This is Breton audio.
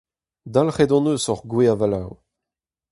Dalc'het hon eus hor gwez-avaloù.